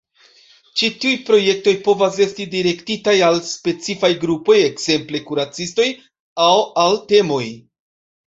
Ĉi tiuj projektoj povas esti direktitaj al specifaj grupoj (ekzemple kuracistoj) aŭ al temoj.